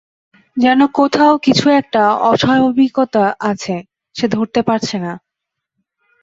যেন কোথাও কিছু-একটা অস্বাভাবিকতা আছে, সে ধরতে পারছে না।